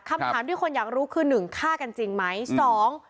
คำถามที่คนอยากรู้คือหนึ่งฆ่ากันจริงไหมสอง